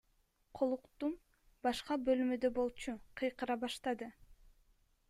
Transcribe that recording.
Колуктум башка бөлмөдө болчу, кыйкыра баштады.